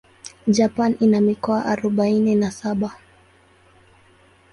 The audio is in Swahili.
Japan ina mikoa arubaini na saba.